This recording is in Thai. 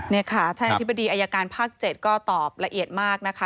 นี่ค่ะท่านอธิบดีอายการภาค๗ก็ตอบละเอียดมากนะคะ